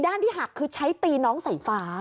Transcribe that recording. ที่หักคือใช้ตีน้องสายฟ้า